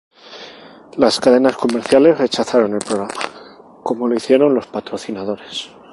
Las cadenas comerciales rechazaron el programa, como lo hicieron los patrocinadores.